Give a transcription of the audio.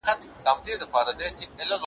یو له بله یې په وینو وه لړلي `